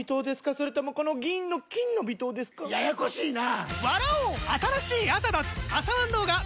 それともこの銀の「金の微糖」ですか？ややこしいなぁ！